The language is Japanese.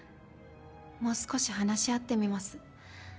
もう少し話し合ってみます。